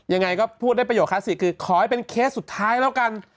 ยังไงก็พูดได้ประโยคคลาสสิกคือขอให้เป็นเคสสุดท้ายแล้วกัน